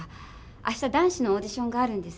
明日男子のオーディションがあるんです。